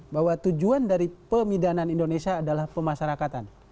bahwa tujuan dari pemidanan indonesia adalah pemasarakatan